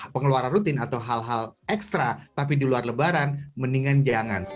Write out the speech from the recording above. pengeluaran rutin atau hal hal ekstra tapi di luar lebaran mendingan jangan